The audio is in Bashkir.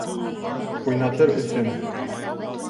Уйнатыр өсөн.